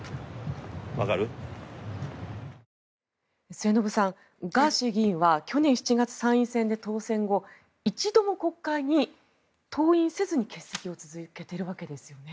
末延さんガーシー議員は去年７月、参院選で当選後一度も国会に登院せずに欠席を続けているわけですよね。